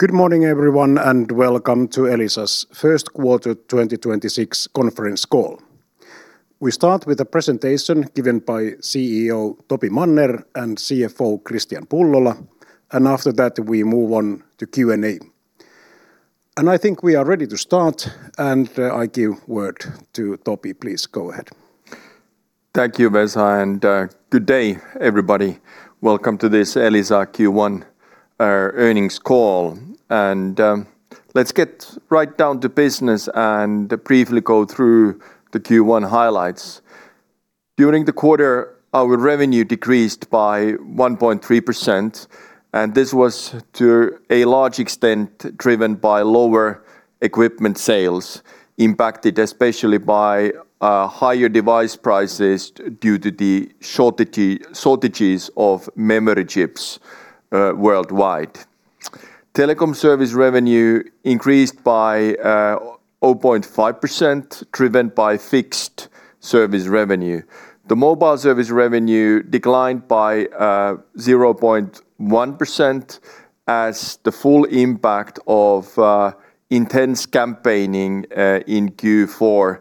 Good morning everyone, and welcome to Elisa's first quarter 2026 conference call. We start with a presentation given by CEO Topi Manner and CFO Kristian Pullola, and after that we move on to Q&A. I think we are ready to start, and I give word to Topi. Please, go ahead. Thank you, Vesa, and good day everybody. Welcome to this Elisa Q1 earnings call. Let's get right down to business and briefly go through the Q1 highlights. During the quarter, our revenue decreased by 1.3%, and this was to a large extent driven by lower equipment sales, impacted especially by higher device prices due to the shortages of memory chips worldwide. Telecom service revenue increased by 0.5%, driven by fixed service revenue. The mobile service revenue declined by 0.1% as the full impact of intense campaigning in Q4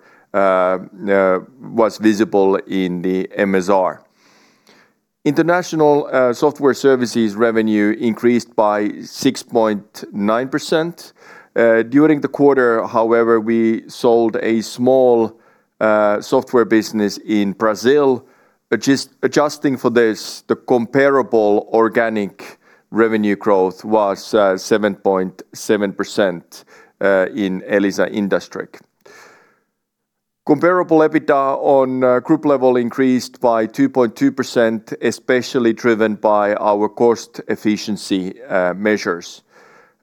was visible in the MSR. International software services revenue increased by 6.9%. During the quarter however, we sold a small software business in Brazil. Adjusting for this, the comparable organic revenue growth was 7.7% in Elisa Industriq. Comparable EBITDA on a group level increased by 2.2%, especially driven by our cost efficiency measures.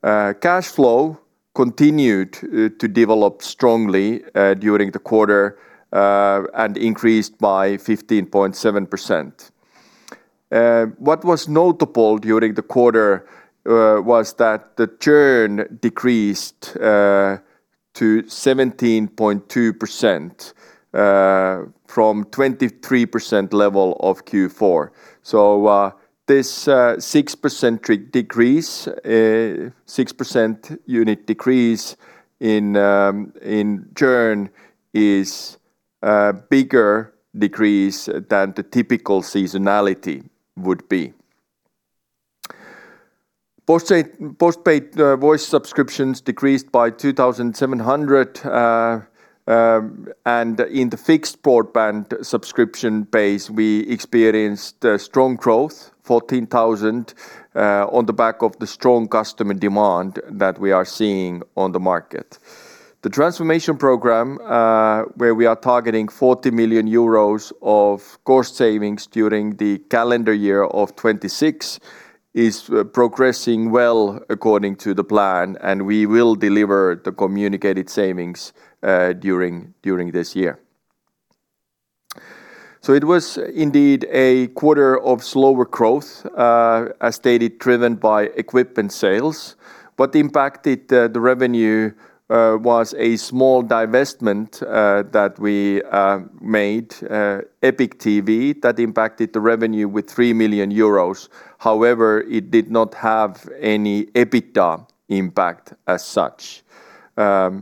Cash flow continued to develop strongly during the quarter, and increased by 15.7%. What was notable during the quarter was that the churn decreased to 17.2%, from 23% level of Q4. This 6% unit decrease in churn is a bigger decrease than the typical seasonality would be. Postpaid voice subscriptions decreased by 2,700, and in the fixed broadband subscription base we experienced strong growth, 14,000, on the back of the strong customer demand that we are seeing on the market. The transformation program, where we are targeting 40 million euros of cost savings during the calendar year of 2026, is progressing well according to the plan, and we will deliver the communicated savings during this year. It was indeed a quarter of slower growth, as stated, driven by equipment sales. What impacted the revenue was a small divestment that we made, Epic TV. That impacted the revenue with 3 million euros. However, it did not have any EBITDA impact as such. The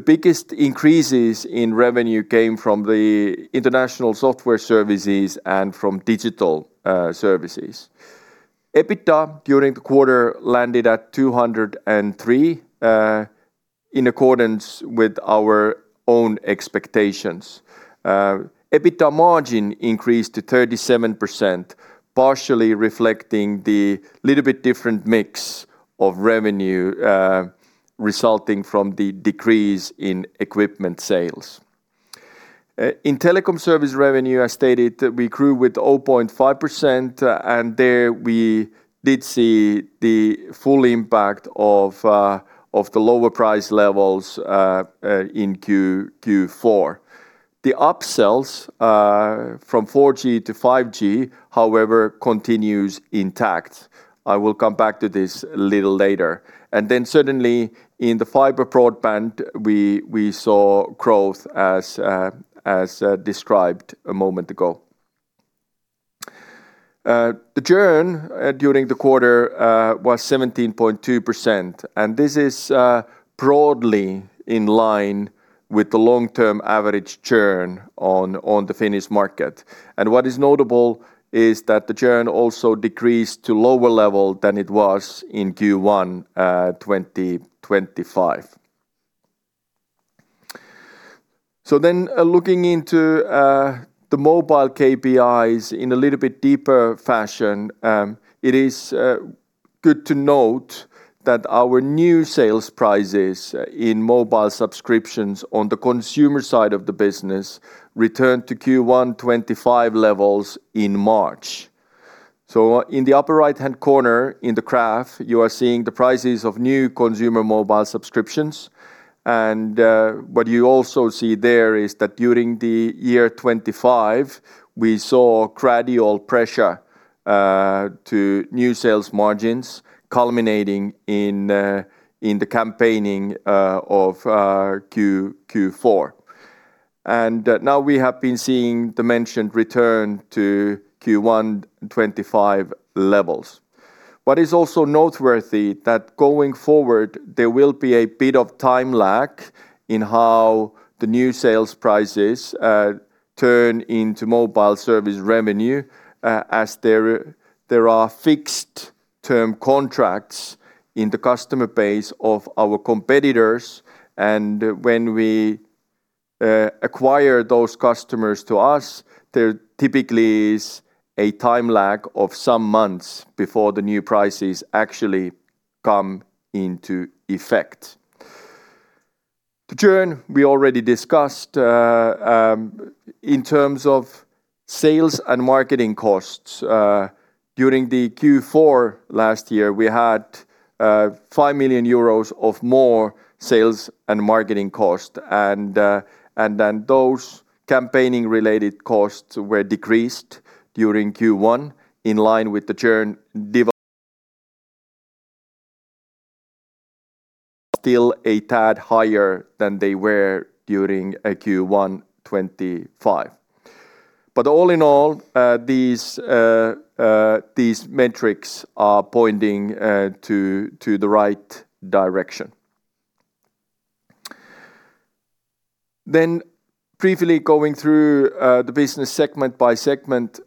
biggest increases in revenue came from the international software services and from digital services. EBITDA during the quarter landed at 203, in accordance with our own expectations. EBITDA margin increased to 37%, partially reflecting the little bit different mix of revenue resulting from the decrease in equipment sales. In telecom service revenue as stated, we grew with 0.5%, and there we did see the full impact of the lower price levels in Q4. The upsells from 4G-5G however, continues intact. I will come back to this a little later. Certainly in the fiber broadband we saw growth as described a moment ago. The churn during the quarter was 17.2%, and this is broadly in line with the long-term average churn on the Finnish market. What is notable is that the churn also decreased to lower level than it was in Q1 2025. Looking into the mobile KPIs in a little bit deeper fashion, it is good to note that our new sales prices in mobile subscriptions on the consumer side of the business returned to Q1 2025 levels in March. In the upper right-hand corner in the graph, you are seeing the prices of new consumer mobile subscriptions. What you also see there is that during the year 2025, we saw gradual pressure to new sales margins culminating in the campaign in Q4. Now we have been seeing the mentioned return to Q1 2025 levels. What is also noteworthy is that going forward, there will be a bit of time lag in how the new sales prices turn into mobile service revenue, as there are fixed-term contracts in the customer base of our competitors. When we acquire those customers to us, there typically is a time lag of some months before the new prices actually come into effect. The churn we already discussed in terms of sales and marketing costs. During the Q4 last year, we had 5 million euros more sales and marketing costs. Then those campaign-related costs were decreased during Q1 in line with the churn decline – still a tad higher than they were during Q1 2025. All in all, these metrics are pointing to the right direction. Briefly going through the business segment by segment.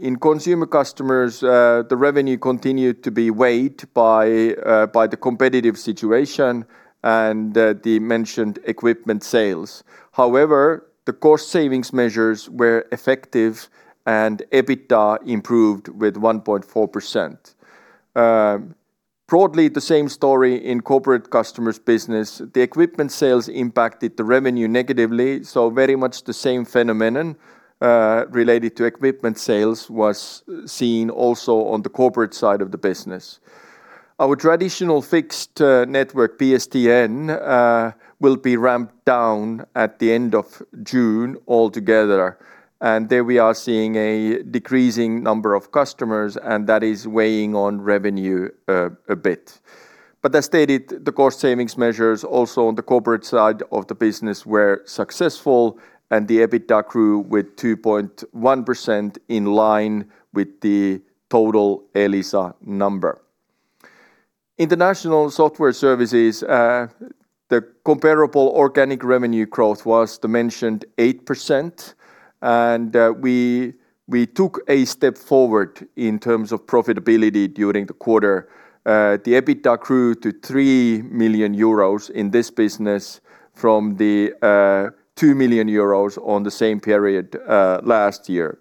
In consumer customers, the revenue continued to be weighed by the competitive situation and the mentioned equipment sales. However, the cost savings measures were effective and EBITDA improved with 1.4%. Broadly the same story in corporate customers business. The equipment sales impacted the revenue negatively, so very much the same phenomenon related to equipment sales was seen also on the corporate side of the business. Our traditional fixed network, PSTN, will be ramped down at the end of June altogether. There we are seeing a decreasing number of customers, and that is weighing on revenue a bit. As stated, the cost savings measures also on the corporate side of the business were successful, and the EBITDA grew with 2.1% in line with the total Elisa number. International software services, the comparable organic revenue growth was the mentioned 8%, and we took a step forward in terms of profitability during the quarter. The EBITDA grew to 3 million euros in this business from the 2 million euros in the same period last year.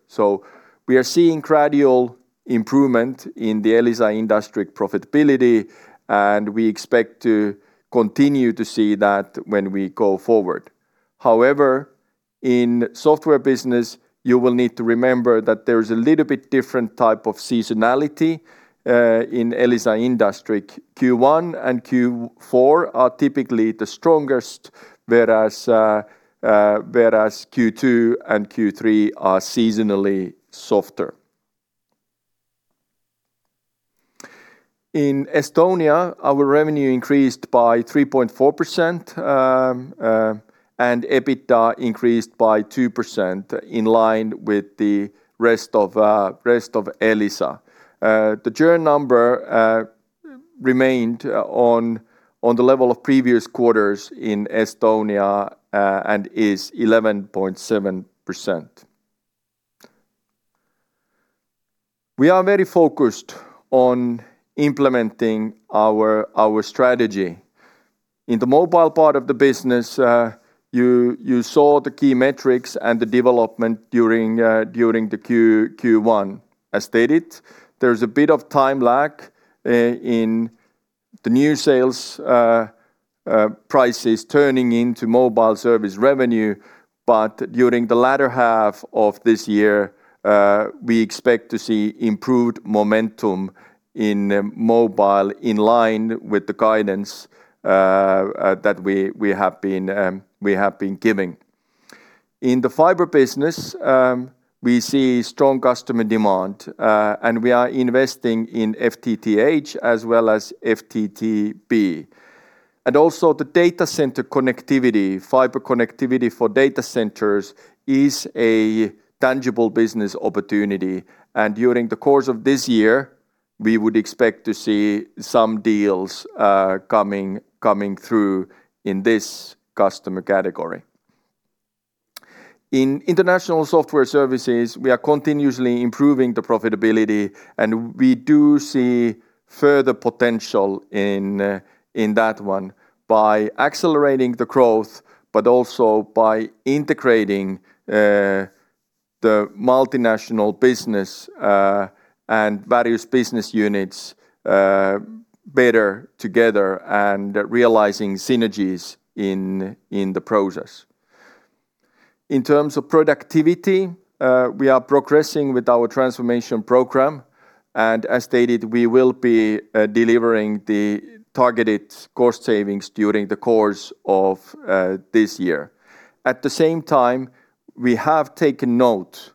We are seeing gradual improvement in the Elisa Industriq profitability, and we expect to continue to see that when we go forward. However, in software business, you will need to remember that there is a little bit different type of seasonality in Elisa Industriq. Q1 and Q4 are typically the strongest, whereas Q2 and Q3 are seasonally softer. In Estonia, our revenue increased by 3.4%, and EBITDA increased by 2% in line with the rest of Elisa. The churn number remained on the level of previous quarters in Estonia, and is 11.7%. We are very focused on implementing our strategy. In the mobile part of the business, you saw the key metrics and the development during the Q1. As stated, there is a bit of time lag in the new sales prices turning into mobile service revenue. During the latter half of this year, we expect to see improved momentum in mobile in line with the guidance that we have been giving. In the fiber business, we see strong customer demand. We are investing in FTTH as well as FTTB, and the data center connectivity, fiber connectivity for data centers, is a tangible business opportunity. During the course of this year, we would expect to see some deals coming through in this customer category. In international software services, we are continuously improving the profitability, and we do see further potential in that one by accelerating the growth, but also by integrating the multinational business, and various business units, better together and realizing synergies in the process. In terms of productivity, we are progressing with our transformation program. As stated, we will be delivering the targeted cost savings during the course of this year. At the same time, we have taken note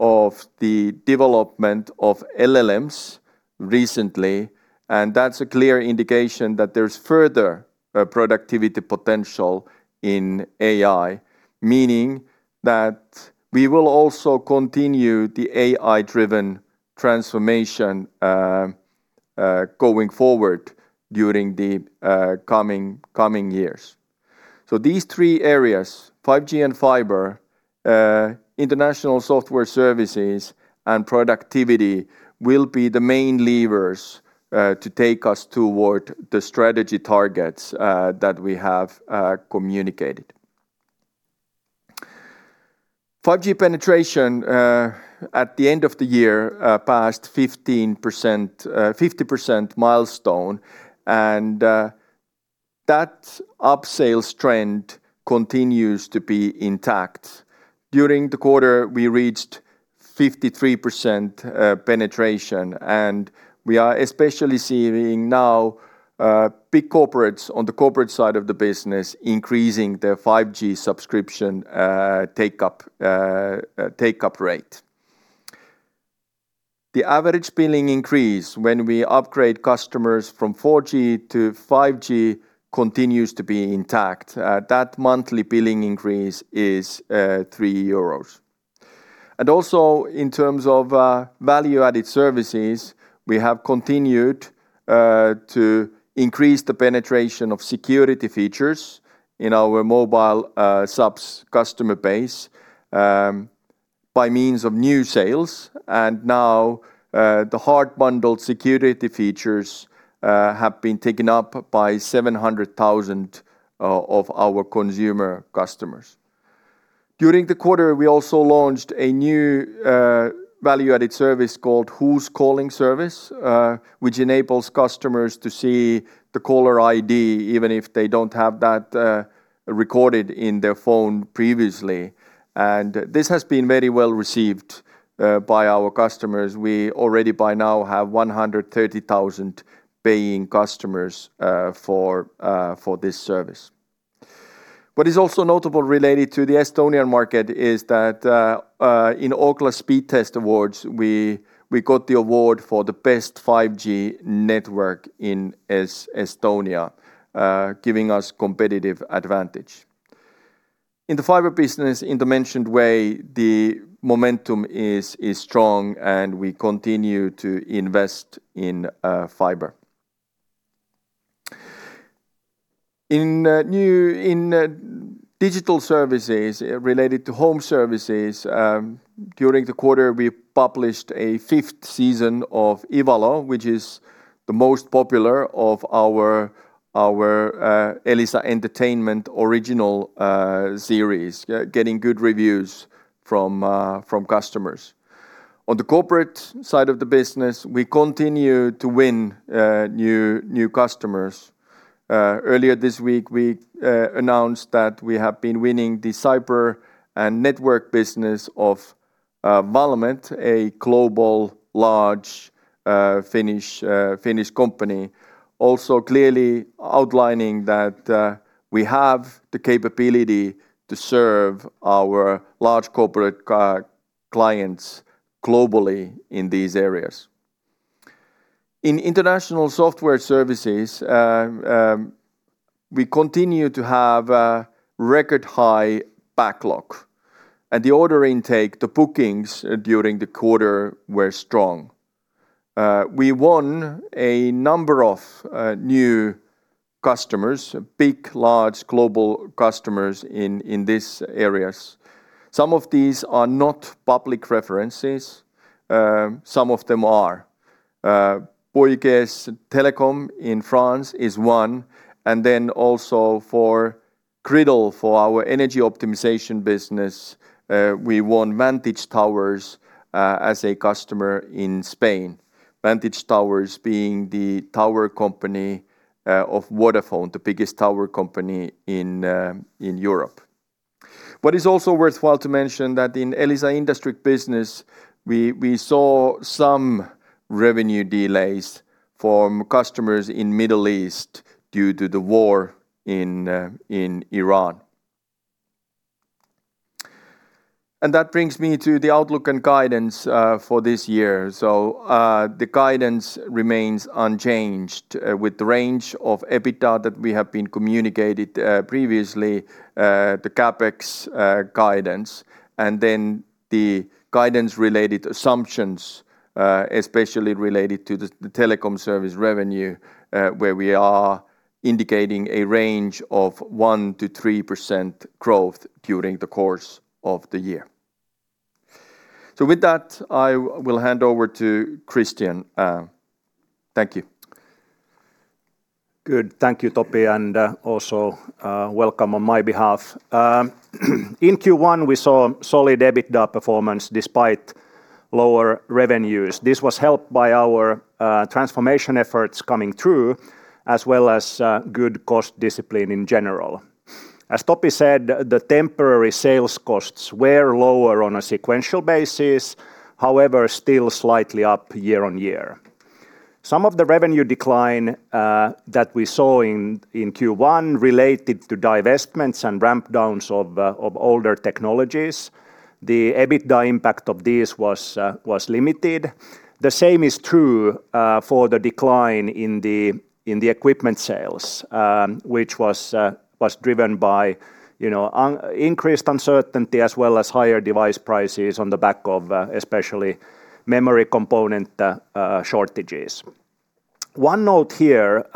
of the development of LLMs recently, and that's a clear indication that there's further productivity potential in AI, meaning that we will also continue the AI-driven transformation going forward during the coming years. These three areas, 5G and fiber, international software services, and productivity, will be the main levers to take us toward the strategy targets that we have communicated. 5G penetration at the end of the year passed 50% milestone, and that upsales trend continues to be intact. During the quarter, we reached 53% penetration, and we are especially seeing now big corporates on the corporate side of the business increasing their 5G subscription take-up rate. The average billing increase when we upgrade customers from 4G-5G continues to be intact. That monthly billing increase is 3 euros. Also in terms of value-added services, we have continued to increase the penetration of security features in our mobile subs customer base by means of new sales. Now the hard bundled security features have been taken up by 700,000 of our consumer customers. During the quarter, we also launched a new value-added service called Who's Calling service, which enables customers to see the caller ID even if they don't have that recorded in their phone previously. This has been very well received by our customers. We already by now have 130,000 paying customers for this service. What is also notable related to the Estonian market is that in Ookla Speedtest Awards, we got the award for the best 5G network in Estonia, giving us competitive advantage. In the fiber business, in the mentioned way, the momentum is strong and we continue to invest in fiber. In digital services related to home services, during the quarter, we published a fifth season of "Ivalo," which is the most popular of our Elisa Entertainment original series, getting good reviews from customers. On the corporate side of the business, we continue to win new customers. Earlier this week, we announced that we have been winning the cyber and network business of Valmet, a global large Finnish company. Also clearly outlining that we have the capability to serve our large corporate clients globally in these areas. In international software services, we continue to have a record high backlog. The order intake, the bookings during the quarter were strong. We won a number of new customers, big, large global customers in these areas. Some of these are not public references. Some of them are. Bouygues Telecom in France is one, and then also for Gridl, for our energy optimization business, we won Vantage Towers as a customer in Spain. Vantage Towers being the tower company of Vodafone, the biggest tower company in Europe. What is also worthwhile to mention that in Elisa Industriq Business, we saw some revenue delays from customers in Middle East due to the war in Iran. That brings me to the outlook and guidance for this year. The guidance remains unchanged with the range of EBITDA that we have been communicated previously, the CapEx guidance, and then the guidance-related assumptions, especially related to the telecom service revenue, where we are indicating a range of 1%-3% growth during the course of the year. With that, I will hand over to Kristian. Thank you. Good. Thank you, Topi, and also welcome on my behalf. In Q1, we saw solid EBITDA performance despite lower revenues. This was helped by our transformation efforts coming through, as well as good cost discipline in general. As Topi said, the temporary sales costs were lower on a sequential basis, however, still slightly up year-on-year. Some of the revenue decline that we saw in Q1 related to divestments and ramp downs of older technologies. The EBITDA impact of this was limited. The same is true for the decline in the equipment sales, which was driven by increased uncertainty as well as higher device prices on the back of especially memory component shortages. One note here,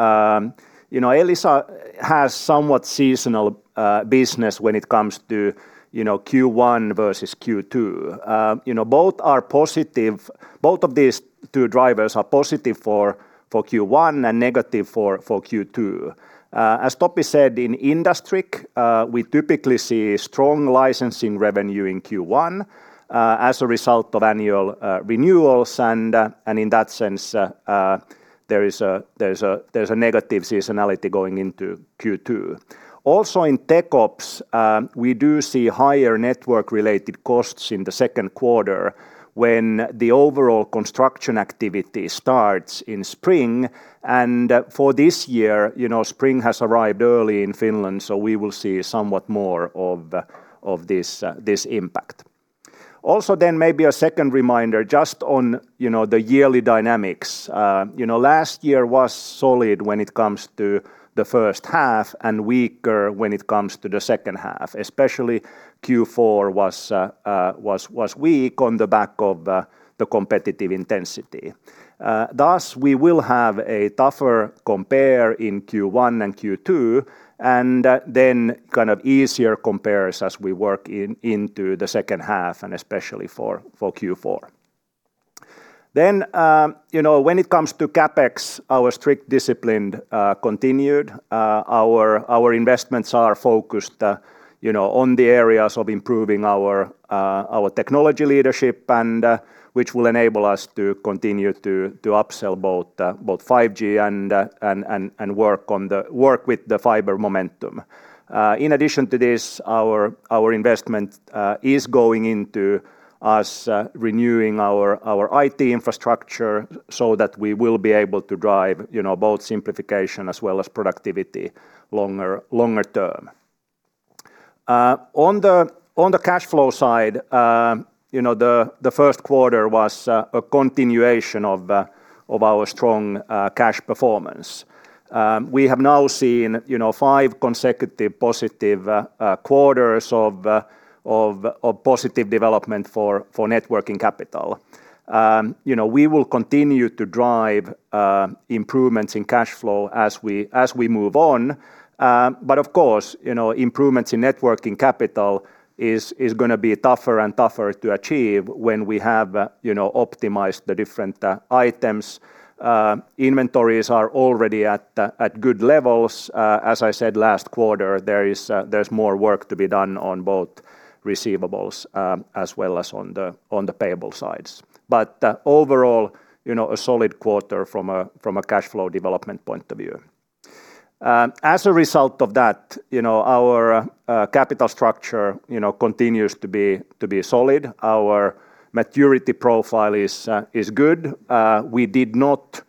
Elisa has somewhat seasonal business when it comes to Q1 versus Q2. Both of these two drivers are positive for Q1 and negative for Q2. As Topi said, in Industriq, we typically see strong licensing revenue in Q1 as a result of annual renewals, and in that sense, there's a negative seasonality going into Q2. Also in TechOps, we do see higher network-related costs in the second quarter when the overall construction activity starts in spring. For this year, spring has arrived early in Finland, so we will see somewhat more of this impact. Also then maybe a second reminder just on the yearly dynamics. Last year was solid when it comes to the first half and weaker when it comes to the second half. Especially Q4 was weak on the back of the competitive intensity. Thus, we will have a tougher compare in Q1 and Q2, and then kind of easier compares as we work into the second half and especially for Q4. When it comes to CapEx, our strict discipline continued. Our investments are focused on the areas of improving our technology leadership and which will enable us to continue to upsell both 5G and work with the fiber momentum. In addition to this, our investment is going into us renewing our IT infrastructure so that we will be able to drive both simplification as well as productivity longer term. On the cash flow side, the first quarter was a continuation of our strong cash performance. We have now seen five consecutive positive quarters of positive development for working capital. We will continue to drive improvements in cash flow as we move on. Of course, improvements in working capital is going to be tougher and tougher to achieve when we have optimized the different items. Inventories are already at good levels. As I said last quarter, there's more work to be done on both receivables as well as on the payable sides. Overall, a solid quarter from a cash flow development point of view. As a result of that, our capital structure continues to be solid. Our maturity profile is good. We did not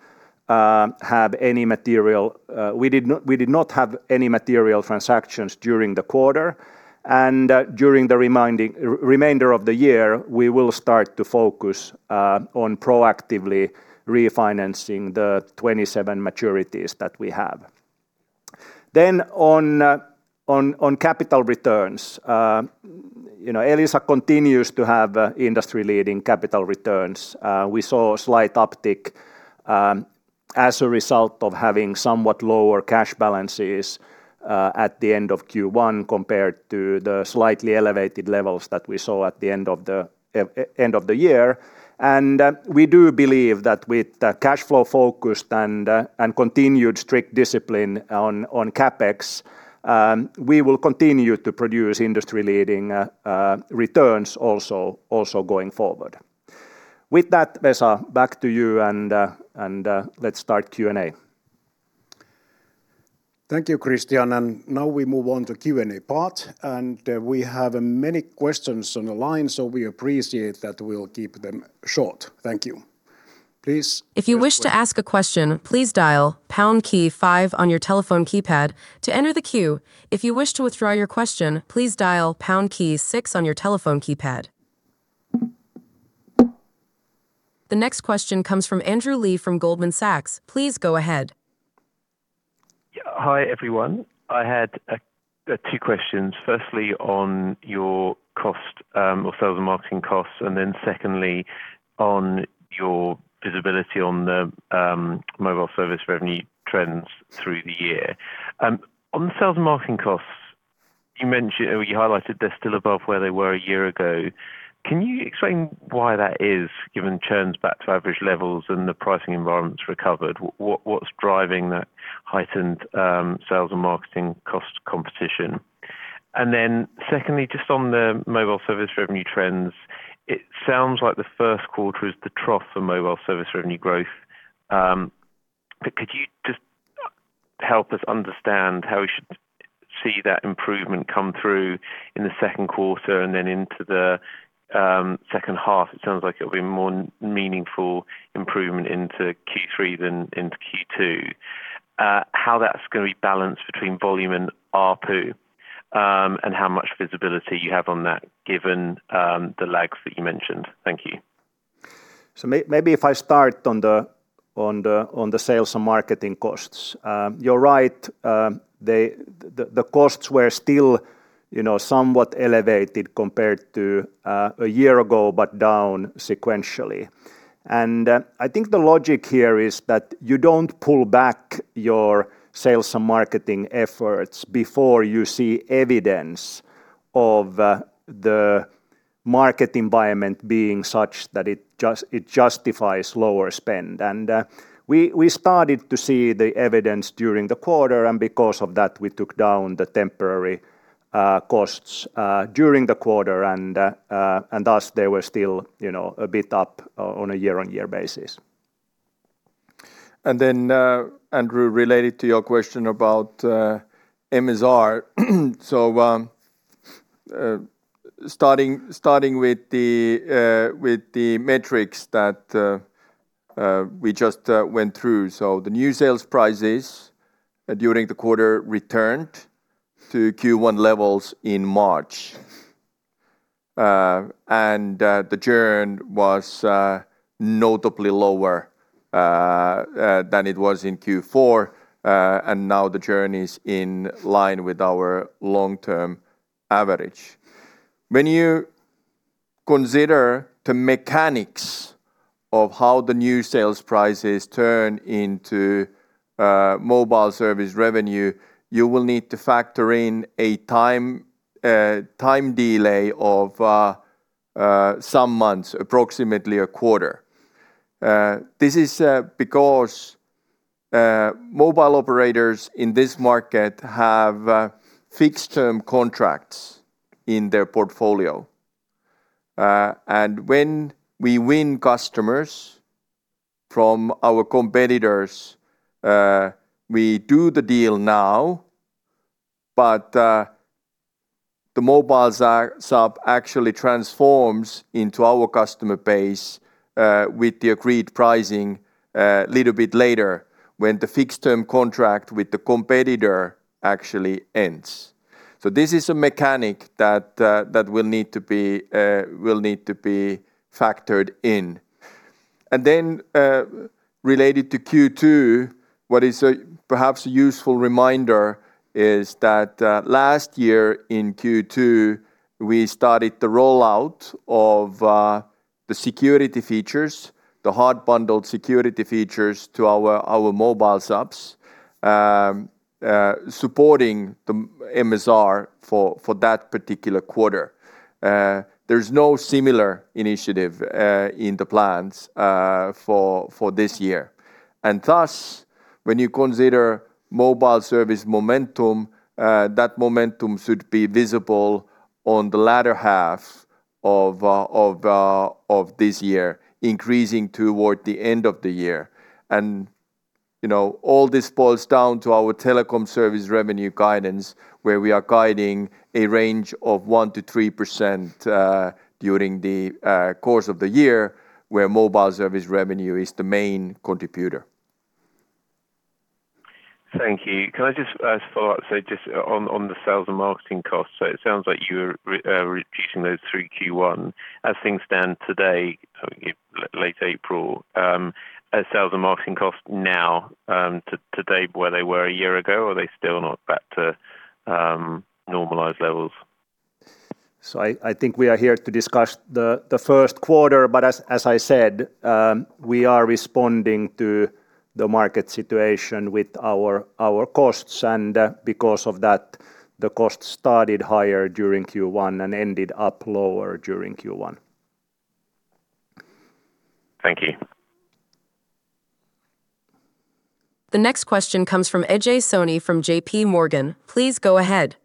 have any material transactions during the quarter. During the remainder of the year, we will start to focus on proactively refinancing the 27 maturities that we have. On capital returns. Elisa continues to have industry-leading capital returns. We saw a slight uptick as a result of having somewhat lower cash balances at the end of Q1 compared to the slightly elevated levels that we saw at the end of the year. We do believe that with the cash flow focused and continued strict discipline on CapEx, we will continue to produce industry-leading returns also going forward. With that, Vesa, back to you, and let's start Q&A. Thank you, Kristian. Now we move on to Q&A part, and we have many questions on the line, so we appreciate that we'll keep them short. Thank you. Please- If you wish to ask a question, please dial pound five on your telephone keypad to enter the queue. If you wish to withdraw your question, please dial pound six on your telephone keypad. The next question comes from Andrew Lee from Goldman Sachs. Please go ahead. Yeah. Hi, everyone. I had two questions. Firstly, on your cost or sales and marketing costs, and then secondly, on your visibility on the mobile service revenue trends through the year. On the sales and marketing costs, you highlighted they're still above where they were a year ago. Can you explain why that is, given churn's back to average levels and the pricing environment's recovered? What's driving that heightened sales and marketing cost competition? Secondly, just on the mobile service revenue trends, it sounds like the first quarter is the trough for mobile service revenue growth. Could you help us understand how we should see that improvement come through in the second quarter and then into the second half. It sounds like it'll be more meaningful improvement into Q3 than into Q2. How that's going to be balanced between volume and ARPU, and how much visibility you have on that given the lags that you mentioned. Thank you. Maybe if I start on the sales and marketing costs. You're right, the costs were still somewhat elevated compared to a year ago, but down sequentially. I think the logic here is that you don't pull back your sales and marketing efforts before you see evidence of the market environment being such that it justifies lower spend. We started to see the evidence during the quarter, and because of that, we took down the temporary costs during the quarter. Thus, they were still a bit up on a year-on-year basis. Andrew, related to your question about MSR, so starting with the metrics that we just went through. The new sales prices during the quarter returned to Q1 levels in March. The churn was notably lower than it was in Q4. Now the churn is in line with our long-term average. When you consider the mechanics of how the new sales prices turn into mobile service revenue, you will need to factor in a time delay of some months, approximately a quarter. This is because mobile operators in this market have fixed-term contracts in their portfolio. When we win customers from our competitors, we do the deal now, but the mobile sub actually transforms into our customer base, with the agreed pricing a little bit later when the fixed term contract with the competitor actually ends. This is a mechanic that will need to be factored in. Related to Q2, what is perhaps a useful reminder is that last year in Q2, we started the rollout of the security features, the hard bundled security features to our mobile subs, supporting the MSR for that particular quarter. There's no similar initiative in the plans for this year. When you consider mobile service momentum, that momentum should be visible on the latter half of this year, increasing toward the end of the year. All this boils down to our telecom service revenue guidance, where we are guiding a range of 1%-3% during the course of the year, where mobile service revenue is the main contributor. Thank you. Can I just ask a follow-up, so just on the sales and marketing costs? It sounds like you're reducing those through Q1. As things stand today, late April, are sales and marketing costs now to date where they were a year ago, or are they still not back to normalized levels? I think we are here to discuss the first quarter, but as I said, we are responding to the market situation with our costs. Because of that, the cost started higher during Q1 and ended up lower during Q1. Thank you. The next question comes from Ajay Soni from JPMorgan. Please go ahead.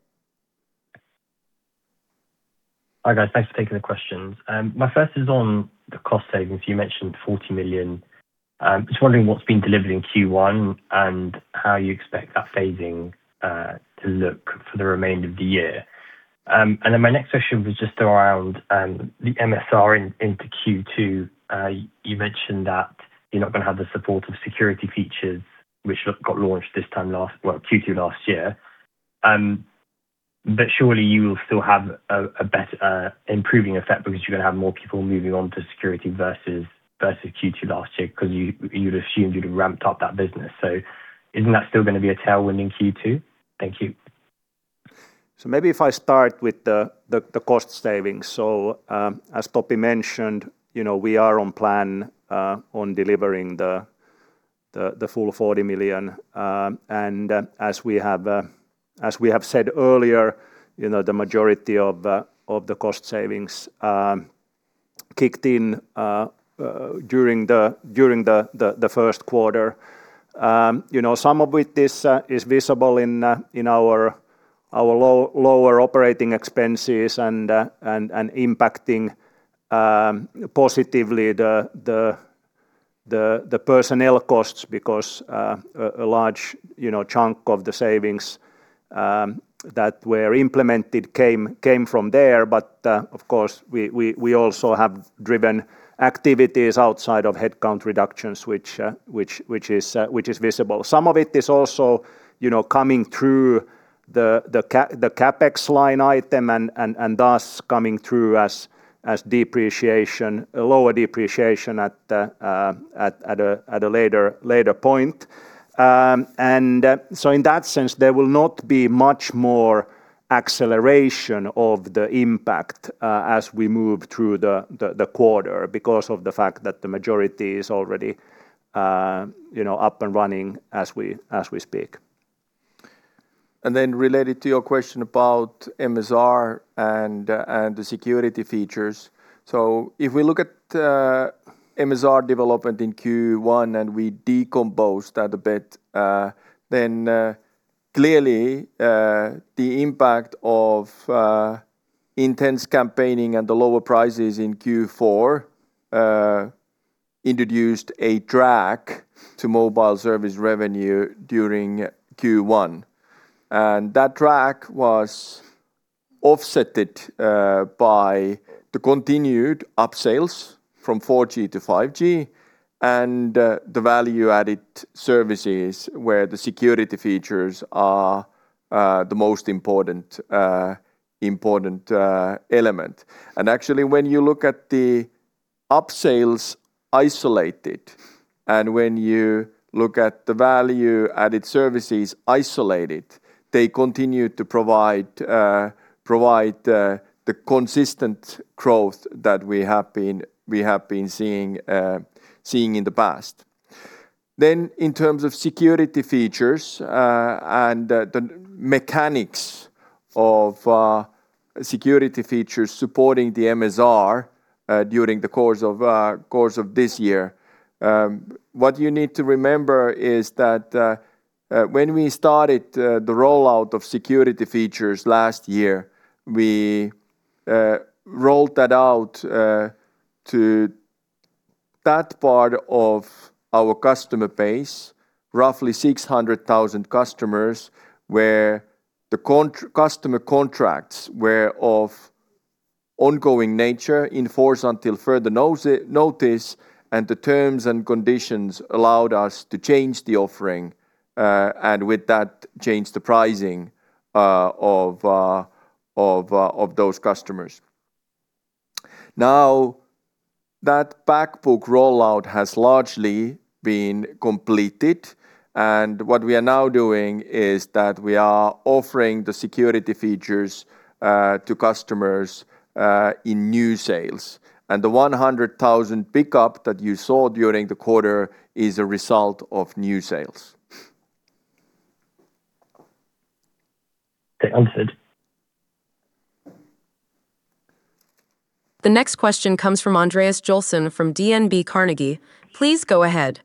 Hi, guys. Thanks for taking the questions. My first is on the cost savings. You mentioned 40 million. I'm just wondering what's been delivered in Q1 and how you expect that phasing to look for the remainder of the year. Then my next question was just around the MSR into Q2. You mentioned that you're not going to have the support of security features which got launched this time last, well, Q2 last year. Surely you will still have an improving effect because you're going to have more people moving on to security versus Q2 last year, because you'd assumed you'd have ramped up that business. Isn't that still going to be a tailwind in Q2? Thank you. Maybe if I start with the cost savings. As Topi mentioned, we are on plan on delivering the full 40 million. As we have said earlier, the majority of the cost savings kicked in during the first quarter. Some of which is visible in our lower operating expenses and impacting positively the personnel costs because a large chunk of the savings that were implemented came from there. Of course, we also have driven activities outside of headcount reductions, which is visible. Some of it is also coming through the CapEx line item and thus coming through as lower depreciation at a later point. In that sense, there will not be much more acceleration of the impact as we move through the quarter because of the fact that the majority is already up and running as we speak. Related to your question about MSR and the security features. If we look at MSR development in Q1 and we decompose that a bit, then clearly the impact of intense campaigning and the lower prices in Q4 introduced a drag to mobile service revenue during Q1. That drag was offset by the continued upsales from 4G-5G and the value-added services where the security features are the most important element. Actually when you look at the upsales isolated and when you look at the value-added services isolated, they continue to provide the consistent growth that we have been seeing in the past. In terms of security features and the mechanics of security features supporting the MSR during the course of this year, what you need to remember is that when we started the rollout of security features last year, we rolled that out to that part of our customer base, roughly 600,000 customers, where the customer contracts were of ongoing nature in force until further notice, and the terms and conditions allowed us to change the offering, and with that, change the pricing of those customers. Now, that back book rollout has largely been completed, and what we are now doing is that we are offering the security features to customers in new sales. The 100,000 pickup that you saw during the quarter is a result of new sales. Okay, understood. The next question comes from Andreas Joelsson from DNB Carnegie. Please go ahead.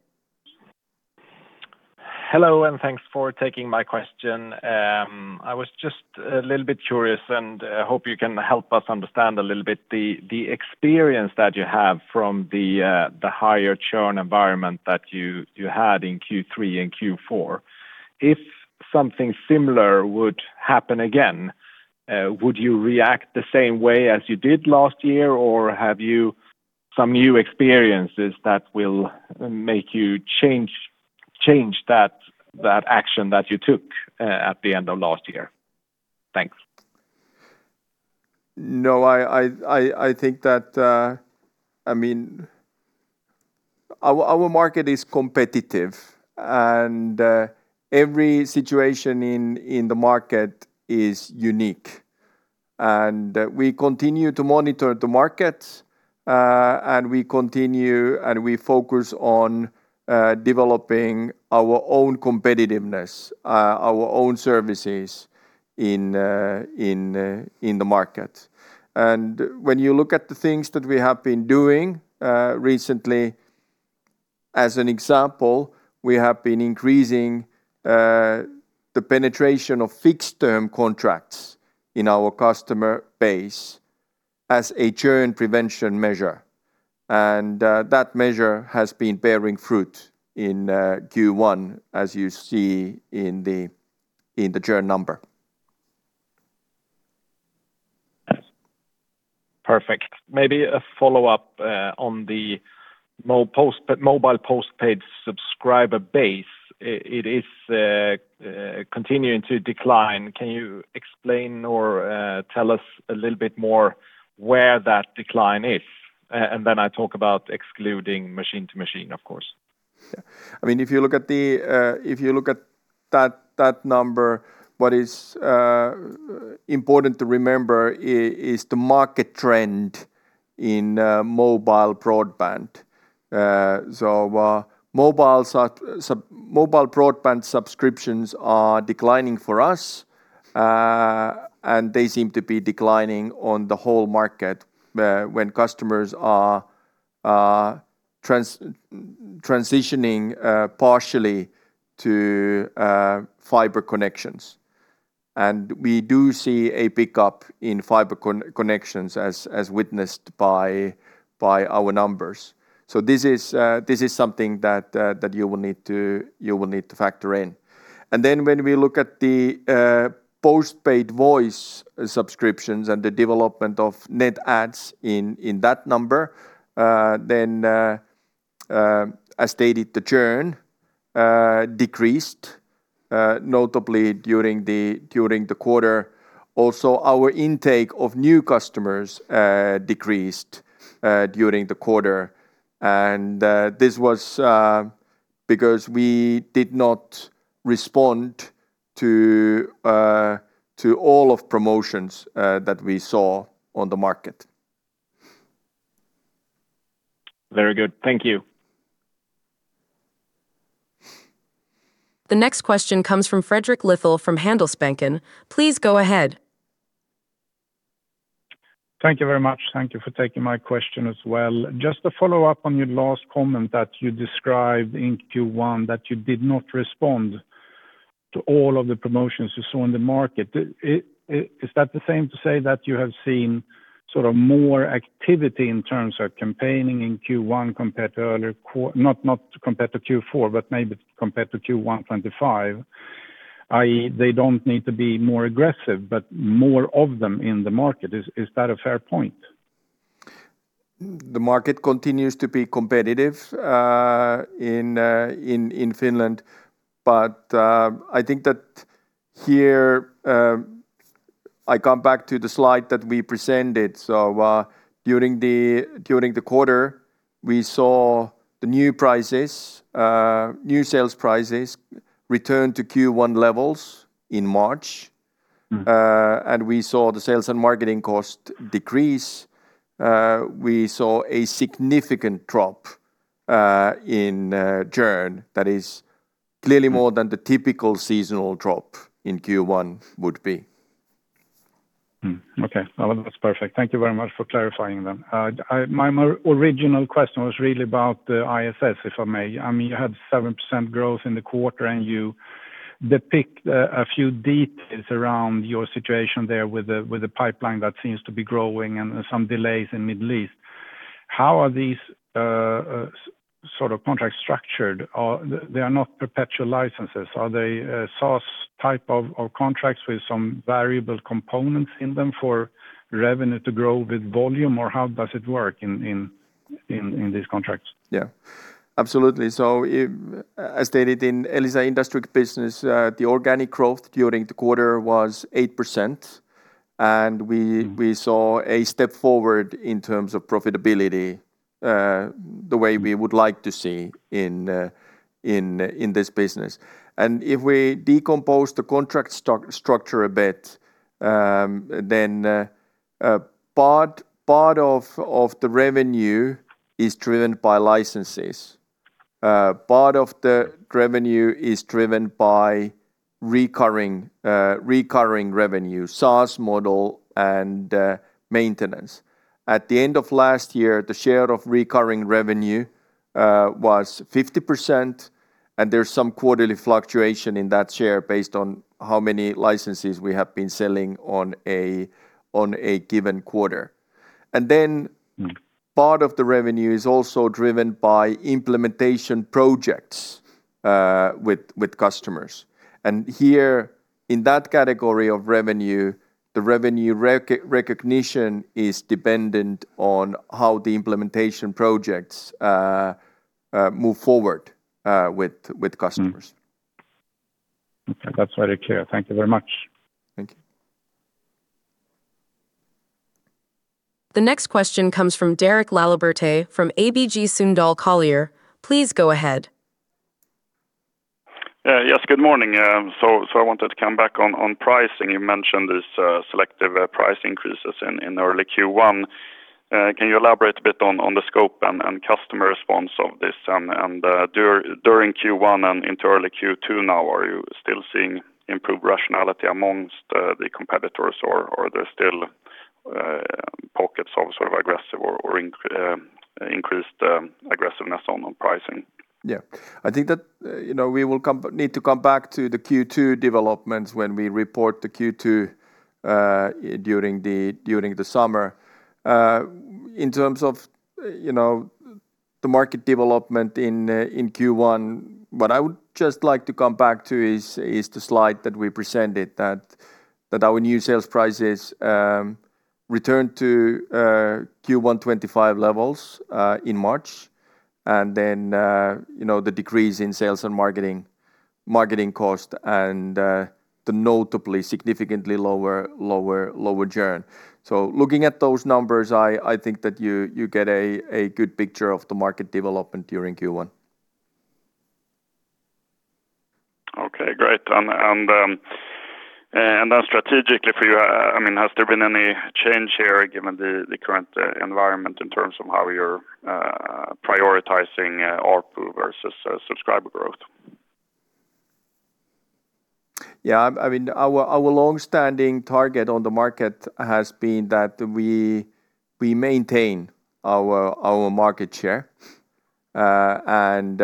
Hello, thanks for taking my question. I was just a little bit curious, and I hope you can help us understand a little bit the experience that you have from the higher churn environment that you had in Q3 and Q4. If something similar would happen again, would you react the same way as you did last year? Or have you some new experiences that will make you change that action that you took at the end of last year? Thanks. No, I think that our market is competitive, and every situation in the market is unique. We continue to monitor the market, and we focus on developing our own competitiveness, our own services in the market. When you look at the things that we have been doing recently, as an example, we have been increasing the penetration of fixed-term contracts in our customer base as a churn prevention measure. That measure has been bearing fruit in Q1, as you see in the churn number. Perfect. Maybe a follow-up on the mobile postpaid subscriber base. It is continuing to decline. Can you explain or tell us a little bit more where that decline is? I talk about excluding machine to machine, of course. Yeah. If you look at that number, what is important to remember is the market trend in mobile broadband. Mobile broadband subscriptions are declining for us, and they seem to be declining on the whole market, when customers are transitioning partially to fiber connections. We do see a pickup in fiber connections as witnessed by our numbers. This is something that you will need to factor in. When we look at the postpaid voice subscriptions and the development of net adds in that number, as stated, the churn decreased notably during the quarter. Also, our intake of new customers decreased during the quarter, and this was because we did not respond to all of promotions that we saw on the market. Very good. Thank you. The next question comes from Fredrik Lithell from Handelsbanken. Please go ahead. Thank you very much. Thank you for taking my question as well. Just to follow up on your last comment that you described in Q1 that you did not respond to all of the promotions you saw in the market. Is that the same to say that you have seen more activity in terms of campaigning in Q1 compared to earlier, not compared to Q4, but maybe compared to Q1 2025, i.e., they don't need to be more aggressive, but more of them in the market. Is that a fair point? The market continues to be competitive in Finland. I think that here I come back to the slide that we presented. During the quarter, we saw the new sales prices return to Q1 levels in March. Mm-hmm. We saw the sales and marketing cost decrease. We saw a significant drop in churn that is clearly more than the typical seasonal drop in Q1 would be. Okay. Well, that's perfect. Thank you very much for clarifying then. My original question was really about the ISS, if I may. You had 7% growth in the quarter, and you depict a few details around your situation there with the pipeline that seems to be growing and some delays in Middle East. How are these sort of contracts structured? They are not perpetual licenses. Are they SaaS type of contracts with some variable components in them for revenue to grow with volume, or how does it work in these contracts? Yeah. Absolutely. As stated in Elisa Industriq business, the organic growth during the quarter was 8%, and we- Mm-hmm ...saw a step forward in terms of profitability the way we would like to see in this business. If we decompose the contract structure a bit, then part of the revenue is driven by licenses. Part of the revenue is driven by recurring revenue, SaaS model, and maintenance. At the end of last year, the share of recurring revenue was 50%, and there's some quarterly fluctuation in that share based on how many licenses we have been selling in a given quarter. Then- Mm ...part of the revenue is also driven by implementation projects with customers. Here in that category of revenue, the revenue recognition is dependent on how the implementation projects move forward with customers. Okay. That's very clear. Thank you very much. Thank you. The next question comes from Derek Laliberté from ABG Sundal Collier. Please go ahead. Yes, good morning. I wanted to come back on pricing. You mentioned this selective price increases in early Q1. Can you elaborate a bit on the scope and customer response of this? During Q1 and into early Q2 now, are you still seeing improved rationality among the competitors, or are there still pockets of sort of aggressive or increased aggressiveness on pricing? Yeah. I think that we will need to come back to the Q2 developments when we report the Q2 during the summer. In terms of the market development in Q1, what I would just like to come back to is the slide that we presented that our new sales prices returned to Q1 2025 levels in March. Then the decrease in sales and marketing cost and the notably significantly lower churn. Looking at those numbers, I think that you get a good picture of the market development during Q1. Okay, great. Strategically for you, has there been any change here given the current environment in terms of how you're prioritizing ARPU versus subscriber growth? Yeah. Our long-standing target on the market has been that we maintain our market share, and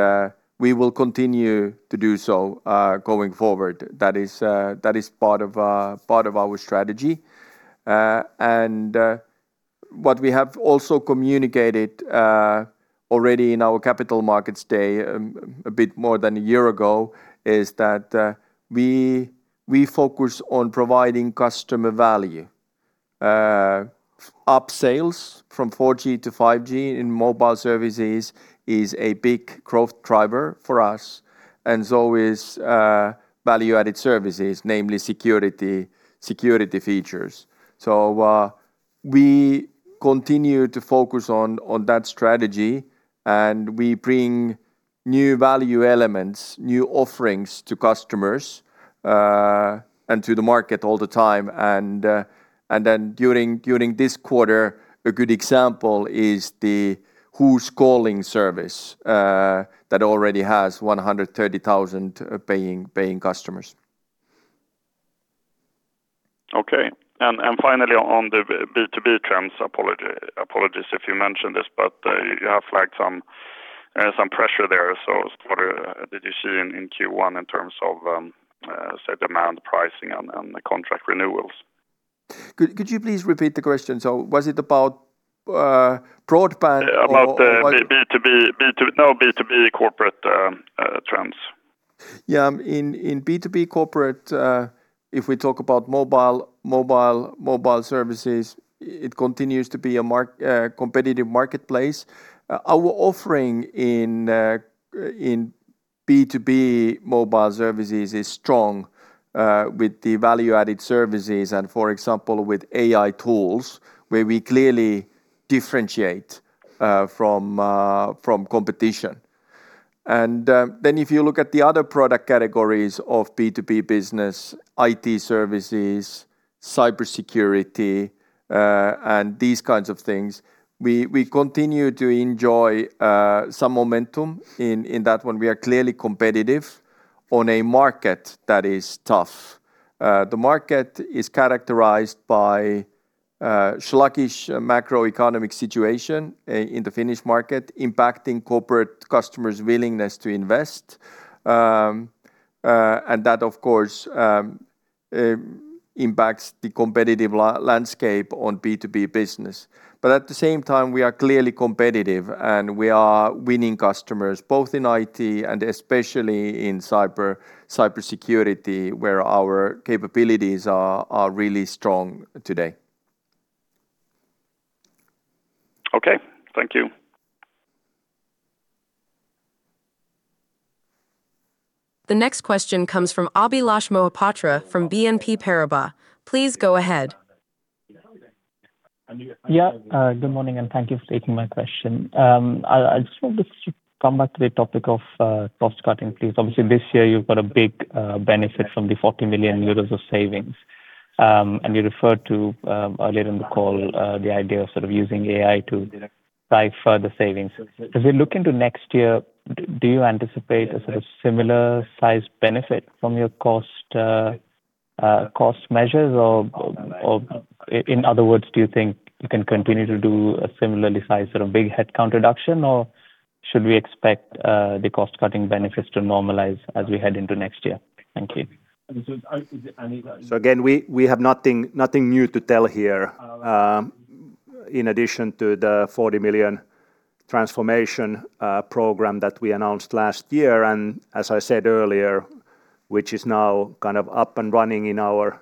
we will continue to do so going forward. That is part of our strategy. What we have also communicated already in our Capital Markets Day, a bit more than a year ago, is that we focus on providing customer value. Up sales from 4G-5G in mobile services is a big growth driver for us, and so is value-added services, namely security features. We continue to focus on that strategy, and we bring new value elements, new offerings to customers, and to the market all the time. Then during this quarter, a good example is the Who's Calling service, that already has 130,000 paying customers. Okay. Finally, on the B2B trends, apologies if you mentioned this, but you have flagged some pressure there. What did you see in Q1 in terms of say demand pricing and contract renewals? Could you please repeat the question? Was it about broadband or- About B2B corporate trends. Yeah. In B2B corporate, if we talk about mobile services, it continues to be a competitive marketplace. Our offering in B2B mobile services is strong, with the value-added services and, for example, with AI tools, where we clearly differentiate from competition. Then if you look at the other product categories of B2B business, IT services, cybersecurity, and these kinds of things, we continue to enjoy some momentum in that one. We are clearly competitive on a market that is tough. The market is characterized by sluggish macroeconomic situation in the Finnish market, impacting corporate customers' willingness to invest. That, of course, impacts the competitive landscape on B2B business. At the same time, we are clearly competitive, and we are winning customers both in IT and especially in cybersecurity, where our capabilities are really strong today. Okay. Thank you. The next question comes from Abhilash Mohapatra from BNP Paribas. Please go ahead. Yeah. Good morning, and thank you for taking my question. I just wanted to come back to the topic of cost-cutting, please. Obviously, this year you've got a big benefit from the 40 million euros of savings. You referred to, earlier in the call, the idea of sort of using AI to drive further savings. As we look into next year, do you anticipate a sort of similar size benefit from your cost measures? Or in other words, do you think you can continue to do a similarly sized sort of big headcount reduction, or should we expect the cost-cutting benefits to normalize as we head into next year? Thank you. Again, we have nothing new to tell here. In addition to the 40 million transformation program that we announced last year, and as I said earlier, which is now kind of up and running in our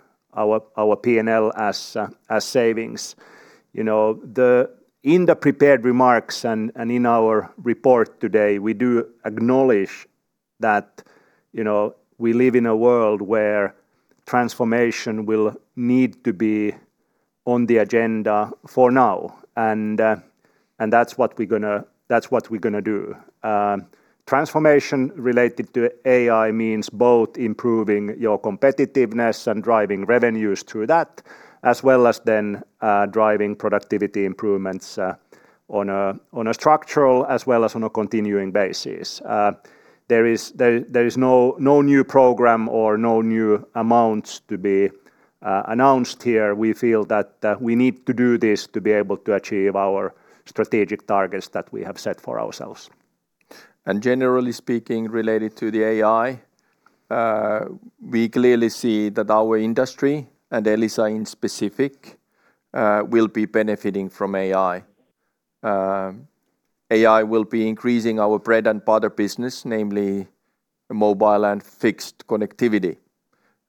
P&L as savings. In the prepared remarks and in our report today, we do acknowledge that we live in a world where transformation will need to be on the agenda for now. That's what we're going to do. Transformation related to AI means both improving your competitiveness and driving revenues through that, as well as then driving productivity improvements on a structural as well as on a continuing basis. There is no new program or no new amounts to be announced here. We feel that we need to do this to be able to achieve our strategic targets that we have set for ourselves. Generally speaking, related to the AI, we clearly see that our industry, and Elisa in specific, will be benefiting from AI. AI will be increasing our bread and butter business, namely mobile and fixed connectivity.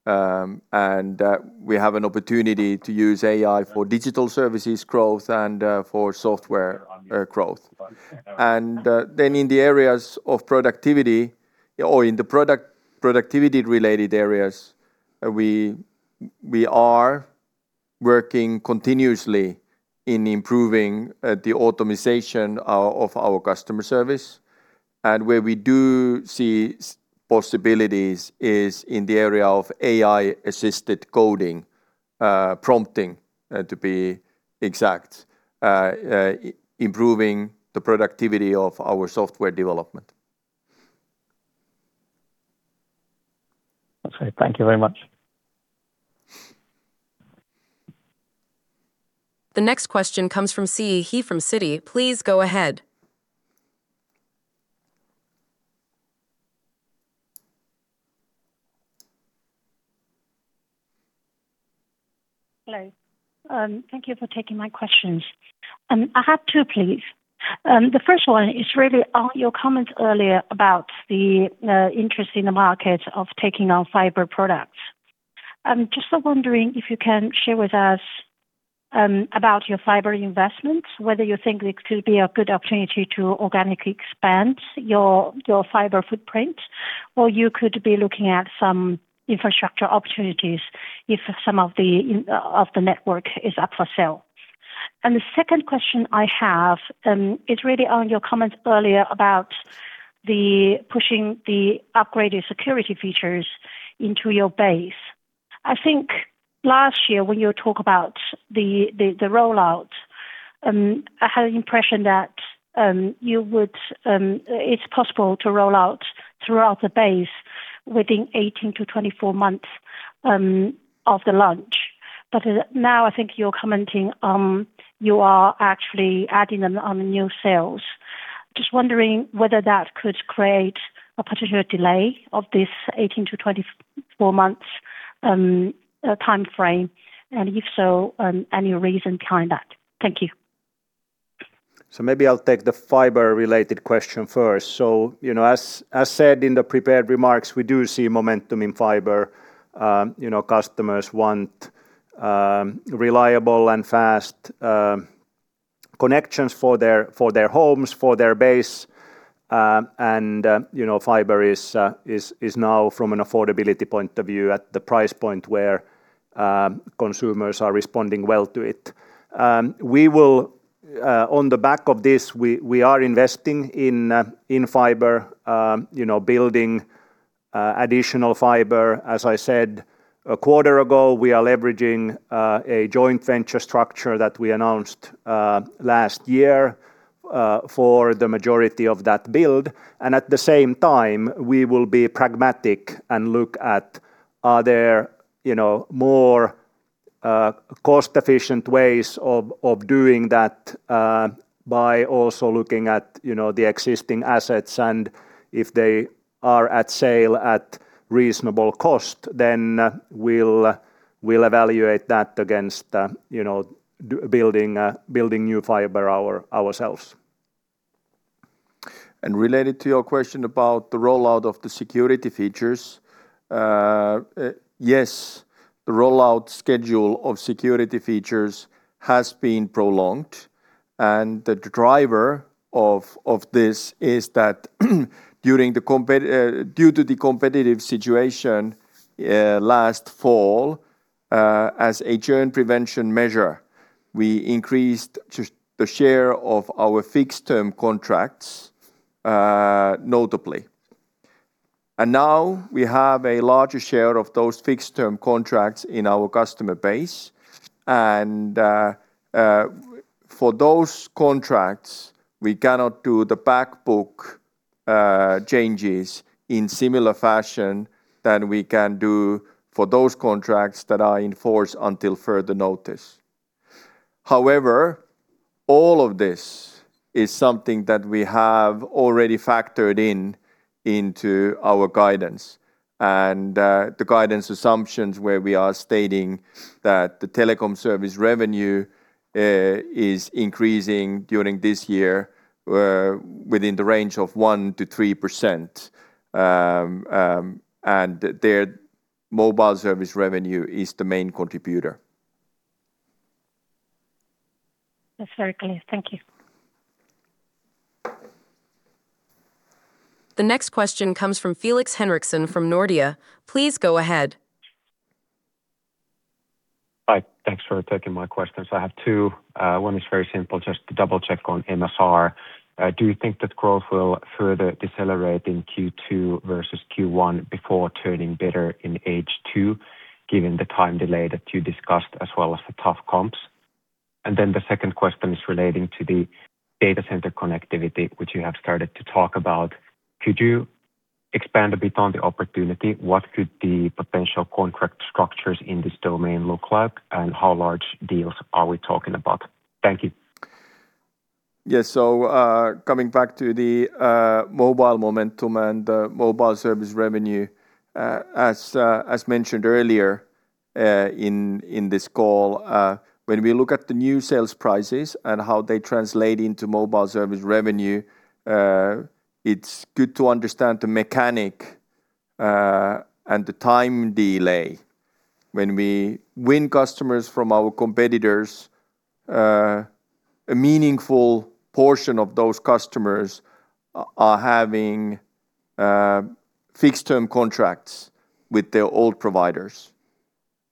We have an opportunity to use AI for digital services growth and for software growth. In the areas of productivity or in the productivity-related areas, we are working continuously in improving the automation of our customer service. Where we do see possibilities is in the area of AI-assisted coding prompting to be exact, improving the productivity of our software development. Okay. Thank you very much. The next question comes from Siyi He from Citi. Please go ahead. Hello. Thank you for taking my questions. I have two, please. The first one is really on your comments earlier about the interest in the market of taking on fiber products. Just wondering if you can share with us about your fiber investments, whether you think it could be a good opportunity to organically expand your fiber footprint, or you could be looking at some infrastructure opportunities if some of the network is up for sale. The second question I have is really on your comments earlier about pushing the upgraded security features into your base. I think last year when you talked about the rollout, I had an impression that it's possible to roll out throughout the base within 18-24 months of the launch. Now I think you're commenting you are actually adding them on new sales. Just wondering whether that could create a potential delay of this 18-24 months timeframe, and if so, any reason behind that? Thank you. Maybe I'll take the fiber-related question first. As said in the prepared remarks, we do see momentum in fiber. Customers want reliable and fast connections for their homes, for their business. Fiber is now from an affordability point of view at the price point where consumers are responding well to it. On the back of this, we are investing in fiber, building additional fiber. As I said a quarter ago, we are leveraging a joint venture structure that we announced last year for the majority of that build. At the same time, we will be pragmatic and look at, are there more cost-efficient ways of doing that by also looking at the existing assets. If they are for sale at reasonable cost, then we'll evaluate that against building new fiber ourselves. Related to your question about the rollout of the security features. Yes, the rollout schedule of security features has been prolonged, and the driver of this is that due to the competitive situation last fall, as a churn prevention measure, we increased the share of our fixed-term contracts notably. Now we have a larger share of those fixed-term contracts in our customer base. For those contracts, we cannot do the back book changes in similar fashion than we can do for those contracts that are in force until further notice. However, all of this is something that we have already factored in into our guidance and the guidance assumptions where we are stating that the telecom service revenue is increasing during this year within the range of 1%-3%, and their mobile service revenue is the main contributor. That's very clear. Thank you. The next question comes from Felix Henriksson from Nordea. Please go ahead. Hi. Thanks for taking my questions. I have two. One is very simple just to double-check on MSR. Do you think that growth will further decelerate in Q2 versus Q1 before turning better in H2, given the time delay that you discussed as well as the tough comps? The second question is relating to the data center connectivity, which you have started to talk about. Could you expand a bit on the opportunity? What could the potential contract structures in this domain look like, and how large deals are we talking about? Thank you. Yes. Coming back to the mobile momentum and the mobile service revenue, as mentioned earlier in this call, when we look at the new sales prices and how they translate into mobile service revenue, it's good to understand the mechanic and the time delay. When we win customers from our competitors, a meaningful portion of those customers are having fixed-term contracts with their old providers.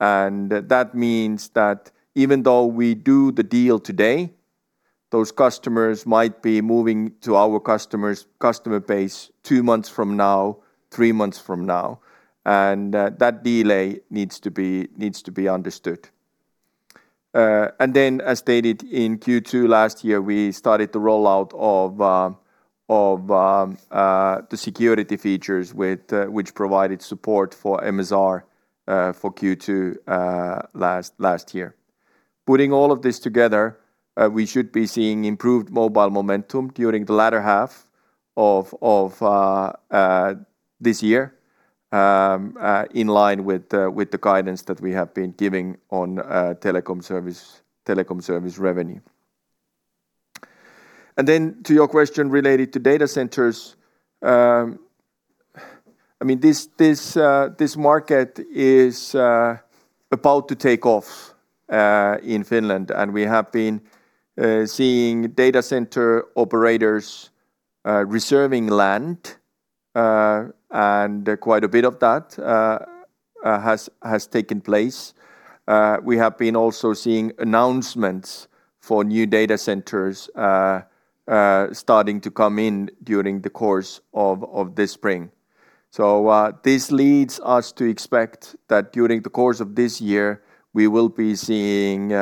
That means that even though we do the deal today. Those customers might be moving to our customer base two months from now, three months from now, and that delay needs to be understood. As stated in Q2 last year, we started the rollout of the security features which provided support for MSR for Q2 last year. Putting all of this together, we should be seeing improved mobile momentum during the latter half of this year in line with the guidance that we have been giving on telecom service revenue. Then to your question related to data centers, this market is about to take off in Finland, and we have been seeing data center operators reserving land, and quite a bit of that has taken place. We have been also seeing announcements for new data centers starting to come in during the course of this spring. This leads us to expect that during the course of this year, we will be seeing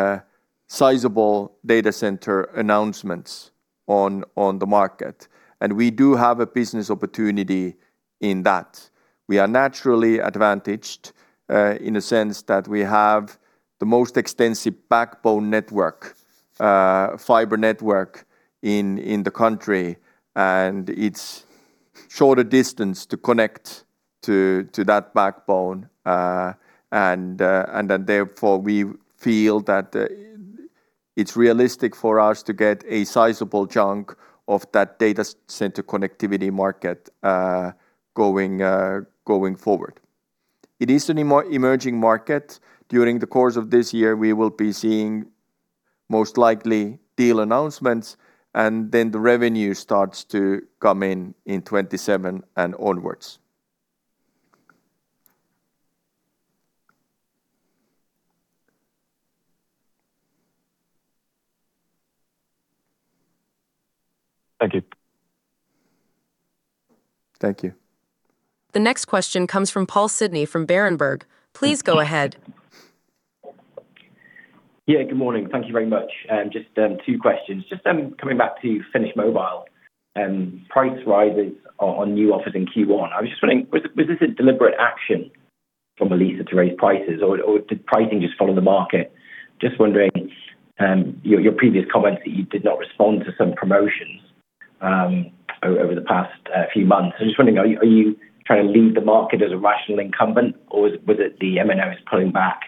sizable data center announcements on the market, and we do have a business opportunity in that. We are naturally advantaged in the sense that we have the most extensive backbone network, fiber network in the country, and it's shorter distance to connect to that backbone. That therefore we feel that it's realistic for us to get a sizable chunk of that data center connectivity market going forward. It is an emerging market. During the course of this year, we will be seeing most likely deal announcements, and then the revenue starts to come in in 2027 and onwards. Thank you. Thank you. The next question comes from Paul Sidney from Berenberg. Please go ahead. Yeah, good morning. Thank you very much. Just two questions. Just coming back to Finnish Mobile. Price rises on new offers in Q1. I was just wondering, was this a deliberate action from Elisa to raise prices, or did pricing just follow the market? Just wondering, your previous comments that you did not respond to some promotions over the past few months. I'm just wondering, are you trying to lead the market as a rational incumbent, or was it the MNOs pulling back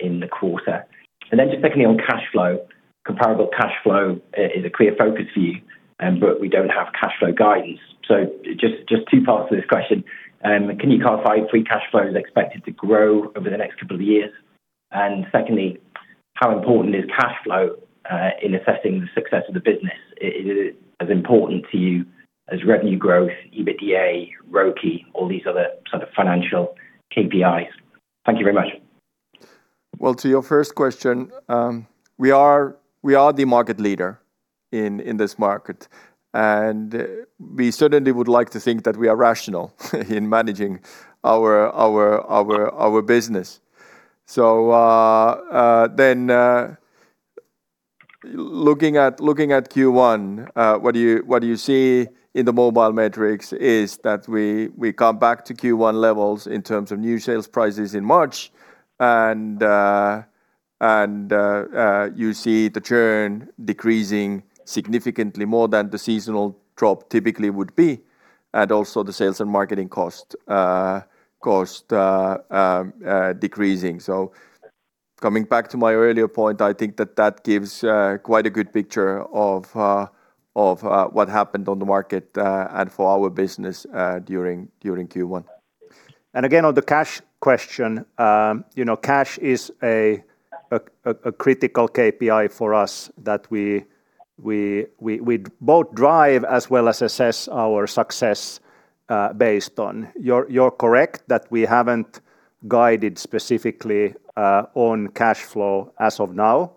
in the quarter? Just secondly, on cash flow, comparable cash flow is a clear focus for you, but we don't have cash flow guidance. Just two parts to this question. Can you clarify free cash flow is expected to grow over the next couple of years? Secondly, how important is cash flow in assessing the success of the business? Is it as important to you as revenue growth, EBITDA, ROCE, all these other sort of financial KPIs? Thank you very much. Well, to your first question, we are the market leader in this market, and we certainly would like to think that we are rational in managing our business. Looking at Q1, what you see in the mobile metrics is that we come back to Q1 levels in terms of new sales prices in March and you see the churn decreasing significantly more than the seasonal drop typically would be, and also the sales and marketing cost decreasing. Coming back to my earlier point, I think that that gives quite a good picture of what happened on the market and for our business during Q1. Again, on the cash question, cash is a critical KPI for us that we both drive as well as assess our success based on. You're correct that we haven't guided specifically on cash flow as of now.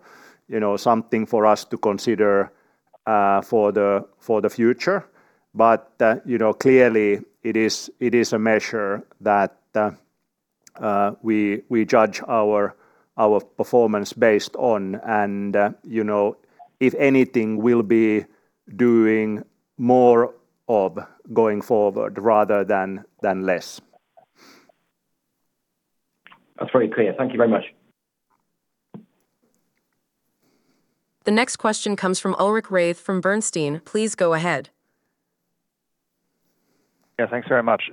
Something for us to consider for the future. Clearly it is a measure that we judge our performance based on, and if anything, we'll be doing more of going forward rather than less. That's very clear. Thank you very much. The next question comes from Ulrich Rathe from Bernstein. Please go ahead. Yeah, thanks very much.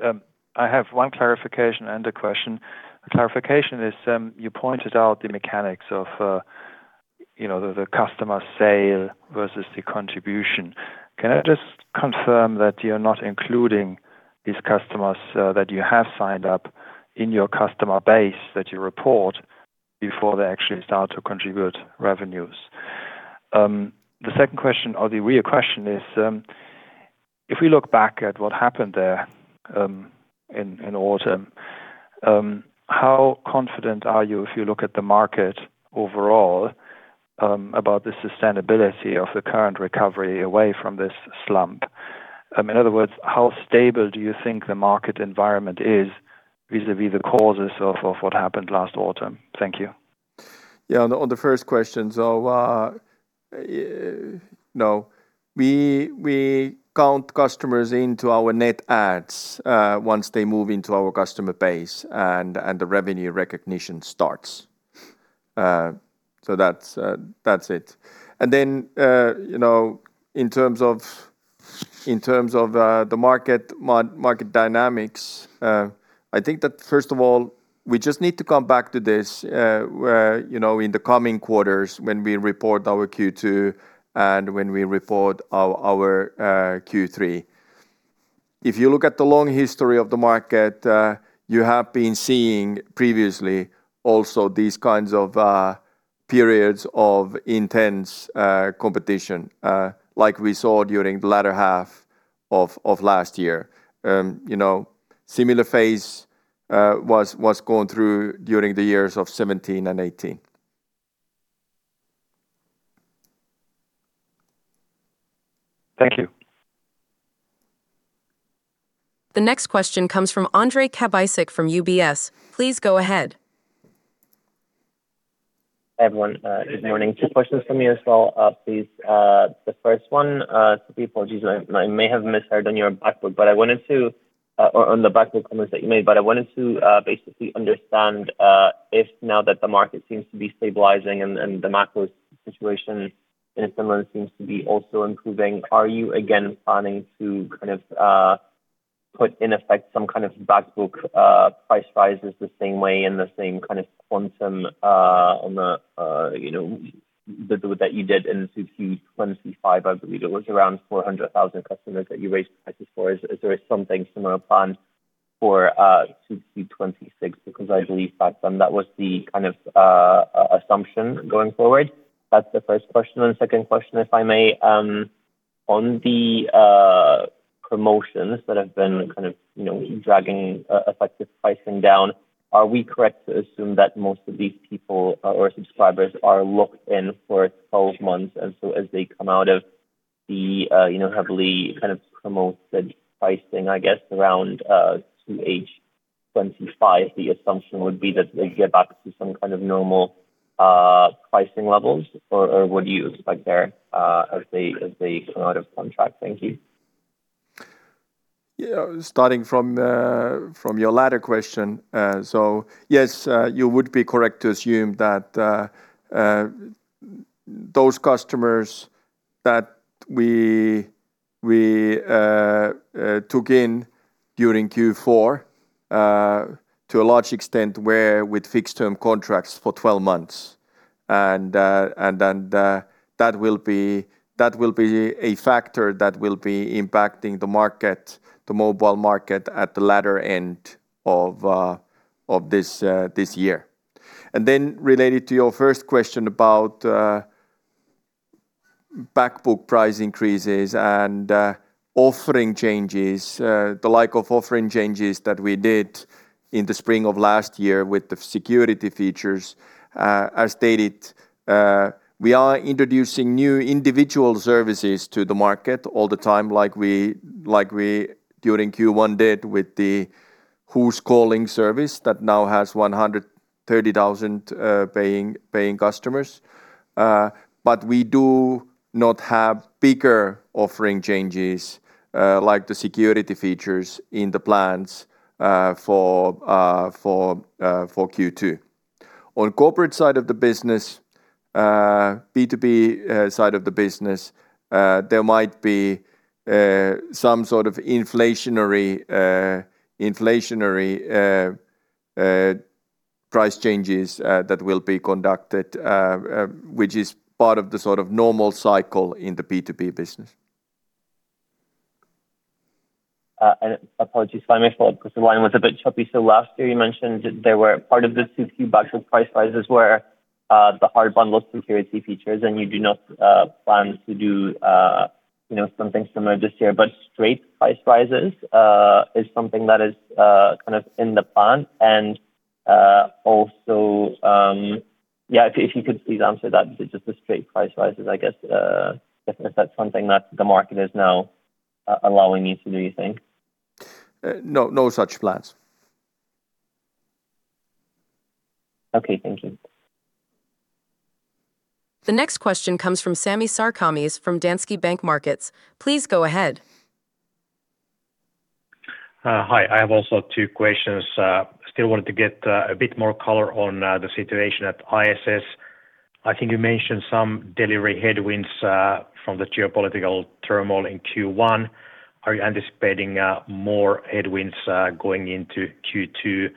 I have one clarification and a question. The clarification is, you pointed out the mechanics of the customer sale versus the contribution. Can I just confirm that you're not including these customers that you have signed up in your customer base that you report before they actually start to contribute revenues? The second question or the real question is. If we look back at what happened there in autumn, how confident are you if you look at the market overall, about the sustainability of the current recovery away from this slump? In other words, how stable do you think the market environment is vis-a-vis the causes of what happened last autumn? Thank you. Yeah, on the first question, so we count customers into our net adds once they move into our customer base and the revenue recognition starts. That's it. Then, in terms of the market dynamics, I think that first of all, we just need to come back to this where, in the coming quarters when we report our Q2 and when we report our Q3. If you look at the long history of the market, you have been seeing previously also these kinds of periods of intense competition, like we saw during the latter half of last year. Similar phase was going through during the years of 2017 and 2018. Thank you. The next question comes from Ondrej Cabejsek from UBS. Please go ahead. Hi, everyone. Good morning. Two questions from me as well, please. The first one. Apologies, I may have misheard on your back book, or on the back book comments that you made, but I wanted to basically understand if now that the market seems to be stabilizing and the macro situation in Finland seems to be also improving, are you again planning to put in effect some kind of back book price rises the same way in the same kind of quantum that you did in 2Q 2025? I believe it was around 400,000 customers that you raised prices for. Is there something similar planned for 2Q 2026? Because I believe back then that was the kind of assumption going forward. That's the first question. Second question, if I may, on the promotions that have been kind of dragging effective pricing down, are we correct to assume that most of these people or subscribers are locked in for 12 months? As they come out of the heavily kind of promoted pricing, I guess, around 2H 2025, the assumption would be that they get back to some kind of normal pricing levels? Or what do you expect there as they come out of contract? Thank you. Yeah. Starting from your latter question. Yes, you would be correct to assume that those customers that we took in during Q4 to a large extent were with fixed-term contracts for 12 months. That will be a factor that will be impacting the mobile market at the latter end of this year. Then related to your first question about back book price increases and offering changes, the like of offering changes that we did in the spring of last year with the security features. As stated, we are introducing new individual services to the market all the time, like we during Q1 did with the Who's Calling service that now has 130,000 paying customers. We do not have bigger offering changes, like the security features in the plans for Q2. On corporate side of the business, B2B side of the business, there might be some sort of inflationary price changes that will be conducted, which is part of the sort of normal cycle in the B2B business. Apologies if I may follow up because the line was a bit choppy. Last year you mentioned that they were part of the 2Q back with price rises were the hard bundled security features, and you do not plan to do something similar this year. Straight price rises is something that is kind of in the plan. Also, if you could please answer that, just the straight price rises, I guess, if that's something that the market is now allowing you to do, you think? No such plans. Okay, thank you. The next question comes from Sami Sarkamies from Danske Bank Markets. Please go ahead. Hi. I also have two questions. I still want to get a bit more color on the situation at ISS. I think you mentioned some delivery headwinds from the geopolitical turmoil in Q1. Are you anticipating more headwinds going into Q2?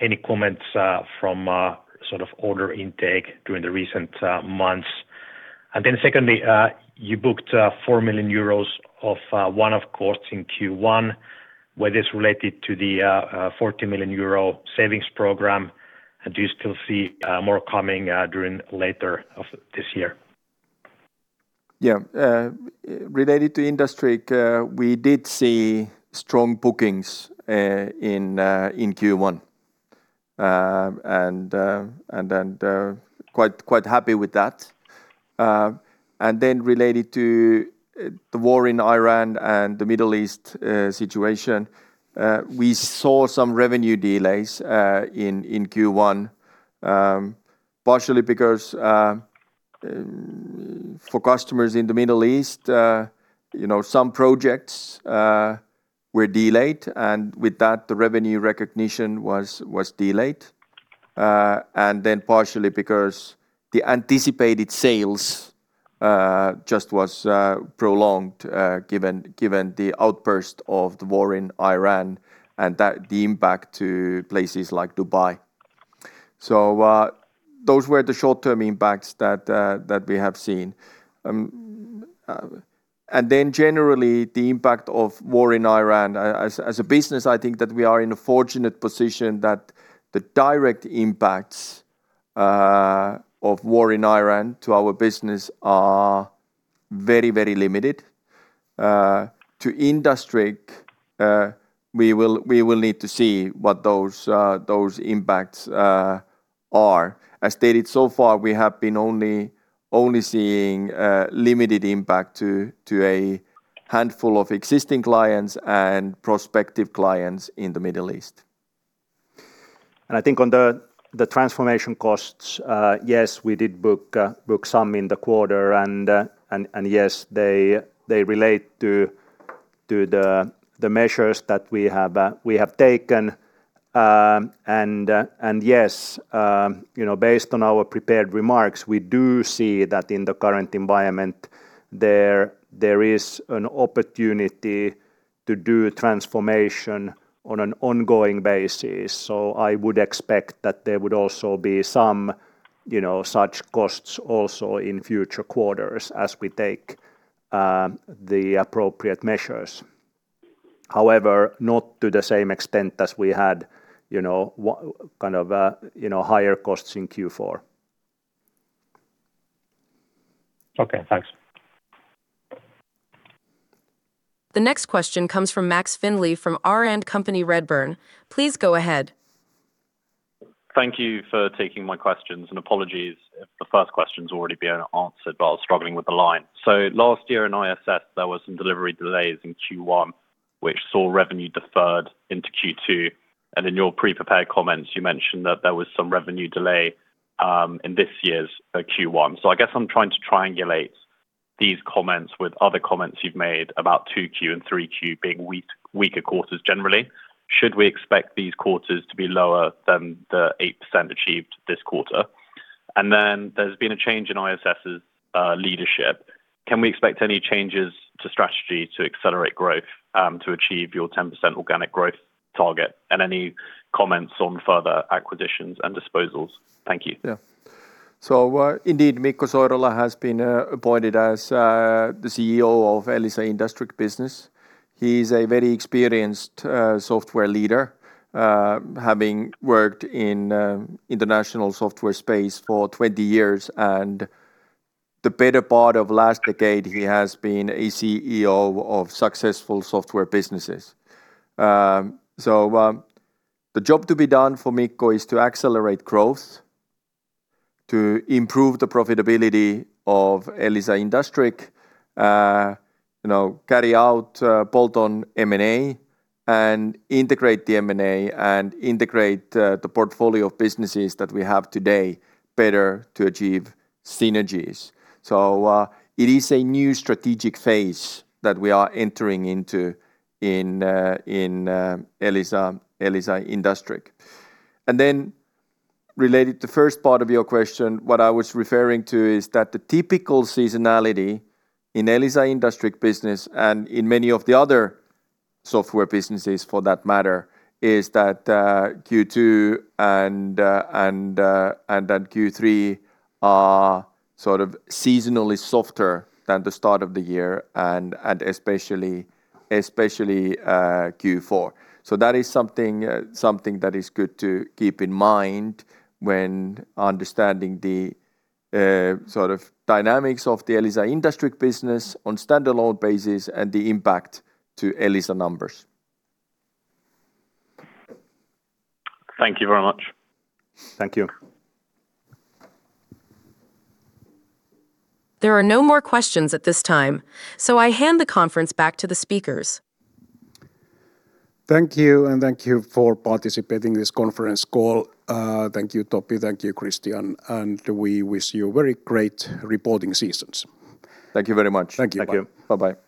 Any comments on sort of order intake during the recent months? Secondly, you booked 4 million euros of one-off costs in Q1. Whether it's related to the 40 million euro savings program, do you still see more coming during later of this year? Yeah. Related to Industriq, we did see strong bookings in Q1. Quite happy with that. Related to the war in Iran and the Middle East situation, we saw some revenue delays in Q1, partially because for customers in the Middle East some projects were delayed, and with that, the revenue recognition was delayed. Partially because the anticipated sales just was prolonged given the outburst of the war in Iran and the impact to places like Dubai. Those were the short-term impacts that we have seen. Generally, the impact of war in Iran as a business, I think that we are in a fortunate position that the direct impacts of war in Iran to our business are very, very limited. To Industriq, we will need to see what those impacts are. As stated so far, we have been only seeing limited impact to a handful of existing clients and prospective clients in the Middle East. I think on the transformation costs, yes, we did book some in the quarter, and yes, they relate to the measures that we have taken. Yes, based on our prepared remarks, we do see that in the current environment there is an opportunity to do transformation on an ongoing basis. I would expect that there would also be some such costs also in future quarters as we take the appropriate measures. However, not to the same extent as we had higher costs in Q4. Okay, thanks. The next question comes from Max Findlay from R& Company Redburn. Please go ahead. Thank you for taking my questions, and apologies if the first question's already been answered while I was struggling with the line. Last year in ISS, there were some delivery delays in Q1, which saw revenue deferred into Q2. In your pre-prepared comments, you mentioned that there was some revenue delay in this year's Q1. I guess I'm trying to triangulate these comments with other comments you've made about 2Q and 3Q being weaker quarters generally. Should we expect these quarters to be lower than the 8% achieved this quarter? There's been a change in ISS's leadership. Can we expect any changes to strategy to accelerate growth to achieve your 10% organic growth target? Any comments on further acquisitions and disposals? Thank you. Yeah. Indeed, Mikko Soirola has been appointed as the CEO of Elisa Industriq business. He's a very experienced software leader having worked in international software space for 20 years, and the better part of last decade, he has been a CEO of successful software businesses. The job to be done for Mikko is to accelerate growth, to improve the profitability of Elisa Industriq, carry out bolt-on M&A, and integrate the M&A, and integrate the portfolio of businesses that we have today better to achieve synergies. It is a new strategic phase that we are entering into in Elisa Industriq. Related to the first part of your question, what I was referring to is that the typical seasonality in Elisa Industriq business, and in many of the other software businesses for that matter, is that Q2 and then Q3 are sort of seasonally softer than the start of the year and especially Q4. That is something that is good to keep in mind when understanding the sort of dynamics of the Elisa Industriq business on a standalone basis and the impact to Elisa numbers. Thank you very much. Thank you. There are no more questions at this time. I hand the conference back to the speakers. Thank you, and thank you for participating in this conference call. Thank you, Topi. Thank you, Kristian. We wish you very great reporting seasons. Thank you very much. Thank you. Bye-bye